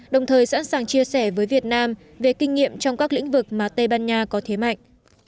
đồng thời sẵn sàng chia sẻ với việt nam về kinh nghiệm trong các lĩnh vực mà tây ban nha có thế mạnh